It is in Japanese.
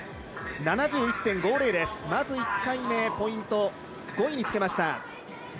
まず１回目ポイント５位につけました。